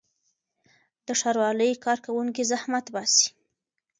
د ښاروالۍ کارکوونکي زحمت باسي.